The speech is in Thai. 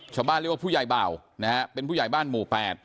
ชาวบ้านเรียกว่าผู้ใหญ่เบานะฮะเป็นผู้ใหญ่บ้านหมู่๘